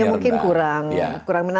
ya mungkin kurang kurang menenang